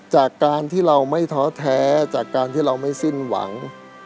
จากการที่เราไม่ท้อแท้จากการที่เราไม่สิ้นหวัง